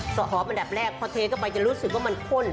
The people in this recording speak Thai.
หอมอันดับแรกพอเทเข้าไปจะรู้สึกว่ามันข้น